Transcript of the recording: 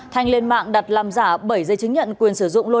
thanh lên mạng đặt làm giả bảy giây chứng nhận quyền sử dụng lô đáy